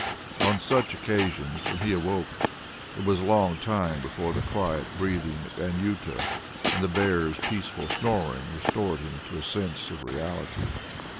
On such occasions when he awoke, it was a long time before the quiet breathing of Anjuta and the bear's peaceful snoring restored him to a sense of reality.